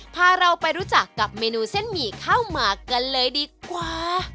พาเราไปรู้จักกับเมนูเส้นหมี่ข้าวหมากกันเลยดีกว่า